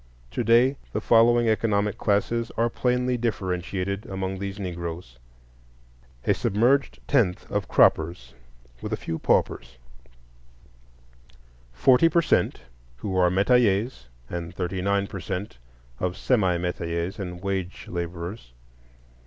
To day the following economic classes are plainly differentiated among these Negroes. A "submerged tenth" of croppers, with a few paupers; forty per cent who are metayers and thirty nine per cent of semi metayers and wage laborers.